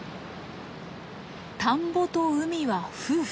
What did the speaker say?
「田んぼと海は夫婦」。